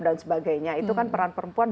dan sebagainya itu kan peran perempuan